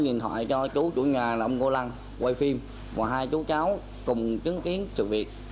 điện thoại cho chú chủ nhà là ông ngô lăng quay phim và hai chú cháu cùng chứng kiến sự việc